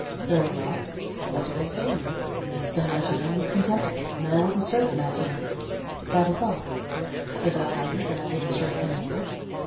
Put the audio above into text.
Very well what did I say to you? that Mazarin was contemptible and that I wouldn't serve Mazarin. But that is all. Did I tell you that I wouldn't serve any other?